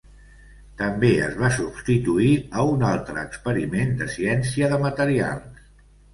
També es va substituir a un altre experiment de ciència de materials.